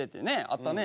あったね。